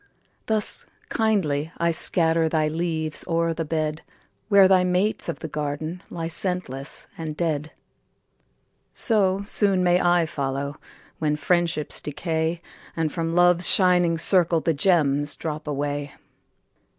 Thus kindly I scatter Thy leaves o'er the bed, Where thy mates of the garden Lie scentless and dead. So soon may I follow, When friendships decay, And from Love's shining circle The gems drop away.